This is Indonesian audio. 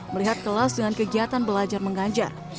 melihat kelas dengan kegiatan belajar mengajar